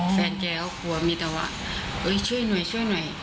แฟนแกก็กลัวมีแต่ว่าช่วยหน่อยช่วยหน่อย